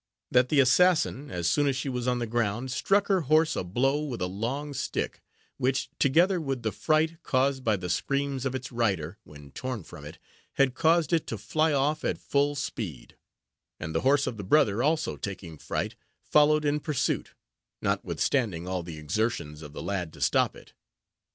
That the assassin, as soon as she was on the ground, struck her horse a blow with a long stick, which, together with the fright caused by the screams of its rider when torn from it, had caused it to fly off at full speed; and the horse of the brother also taking fright, followed in pursuit, notwithstanding all the exertions of the lad to stop it.